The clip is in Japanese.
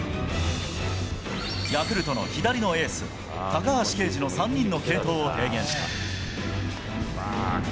ヤクルトの左のエース、高橋奎二の３人の継投を提言した。